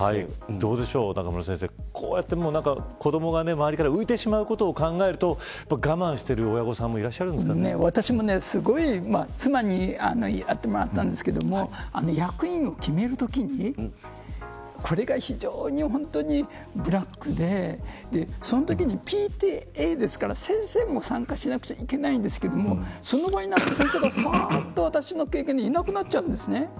どうでしょう、中村先生子どもが周りから浮いてしまうことを考えると我慢してる私も妻にやってもらったんですけど役員を決めるときにこれが本当にブラックでそのときにＰＴＡですから先生も参加しなくちゃいけないのにその場になって先生がいなくなっちゃうんです。